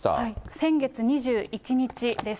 先月２１日です。